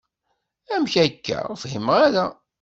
Amek akka? Ur fhimeɣ ara.